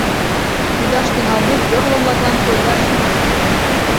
Ӱдаш тӱҥалмек, йорло-влаклан пуэдаш шонымаш ыле.